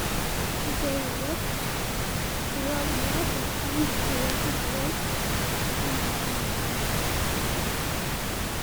They worked throughout Europe and found creative ways of getting behind the Iron Curtain.